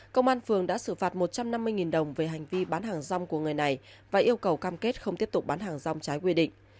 công an phường đã xử phạt một trăm năm mươi đồng về hành vi bán hàng rong của người này và yêu cầu cam kết không tiếp tục bán hàng rong trái quy định